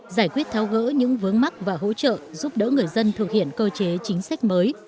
giải quyết tháo gỡ những vướng mắc và hỗ trợ giúp đỡ người dân thực hiện cơ chế chính sách mới